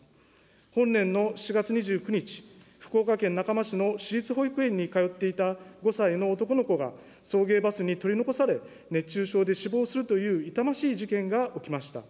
本年の７月２９日、福岡県中間市の私立保育園に通っていた５歳の男の子が、送迎バスに取り残され、熱中症で死亡するという痛ましい事件が起きました。